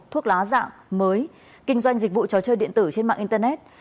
thuốc lá dạng mới kinh doanh dịch vụ trò chơi điện tử trên mạng internet